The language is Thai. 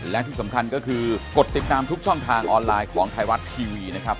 และที่สำคัญก็คือกดติดตามทุกช่องทางออนไลน์ของไทยรัฐทีวีนะครับ